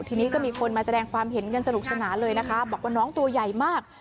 ทีนี้ก็มีคนมาแสดงความเห็นกันสนุกสนานเลยนะคะบอกว่าน้องตัวใหญ่มาก